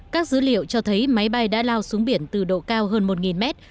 các dữ liệu cho thấy máy bay đã lao xuống biển từ độ cao hơn một mét